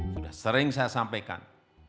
sudah sering saya sampaikan